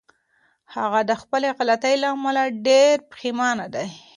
هغه د خپلې غلطۍ له امله ډېره پښېمانه وه.